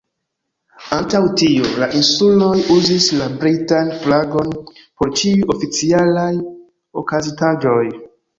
Antaŭ tio, la Insuloj uzis la britan flagon por ĉiuj oficialaj okazintaĵoj.